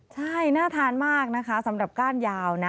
ใช่น่าทานมากนะคะสำหรับก้านยาวนะ